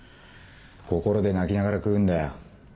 心で泣きながら食うんだよ。